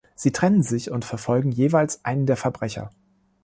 Sie trennen sich und verfolgen jeweils einen der Verbrecher.